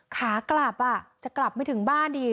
ขากลับจะกลับไม่ถึงบ้านดี